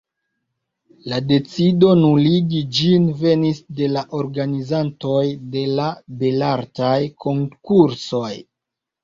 La decido nuligi ĝin venis de la organizantoj de la Belartaj Konkursoj.